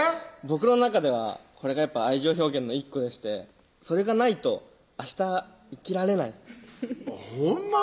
僕の中ではこれが愛情表現の１個でしてそれがないと明日生きられないほんま？